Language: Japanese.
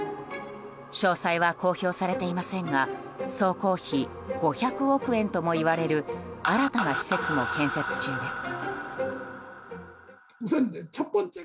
詳細は公表されていませんが総工費５００億円ともいわれる新たな施設も建設中です。